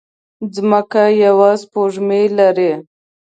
ځمکه يوه سپوږمۍ لري